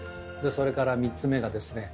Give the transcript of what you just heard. それから３つ目がですね